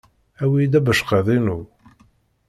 Awi-iyi-d abeckiḍ-inu.